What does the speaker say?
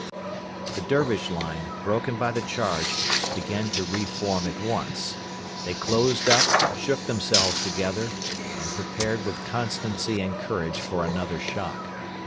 The Dervish line, broken by the charge, began to re form at once. They closed up, shook themselves together, and prepared with constancy and courage for another shock.